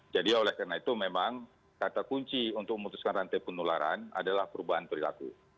jadi oleh karena itu memang kata kunci untuk memutuskan rantai penularan adalah perubahan perilaku